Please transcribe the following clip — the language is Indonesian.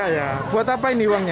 ya buat apa ini uangnya